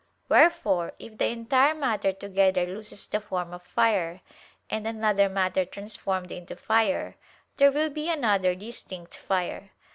Wherefore if the entire matter together loses the form of fire, and another matter transformed into fire, there will be another distinct fire.